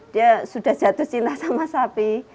dia sudah jatuh cinta sama sapi